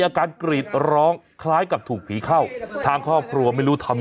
อาการกรีดร้องคล้ายกับถูกผีเข้าทางครอบครัวไม่รู้ทำ